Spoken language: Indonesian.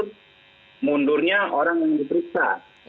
untuk mundurnya orang yang diperiksa